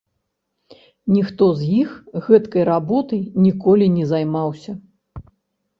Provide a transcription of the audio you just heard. Ніхто з іх гэткай работай ніколі не займаўся.